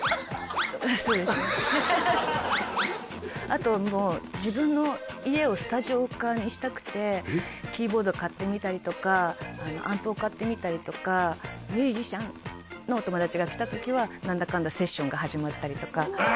あともう自分の家をスタジオ化したくてキーボード買ってみたりとかアンプを買ってみたりとかミュージシャンのお友達が来た時は何だかんだセッションが始まったりとかええ！